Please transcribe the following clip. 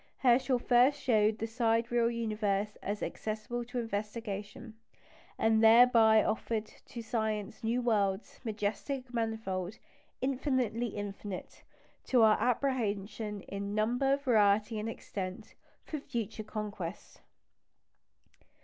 Herschel first showed the sidereal universe as accessible to investigation, and thereby offered to science new worlds majestic, manifold, "infinitely infinite" to our apprehension in number, variety, and extent for future conquest.